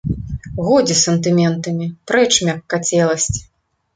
Годзе з сентыментамі, прэч мяккацеласць!